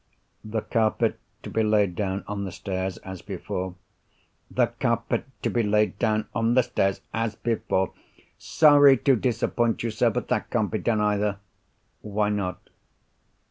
"The carpet to be laid down on the stairs, as before." "'The carpet to be laid down on the stairs, as before.' Sorry to disappoint you, sir. But that can't be done either." "Why not?"